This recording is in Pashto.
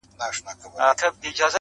ګلان راوړه سپرلیه د مودو مودو راهیسي,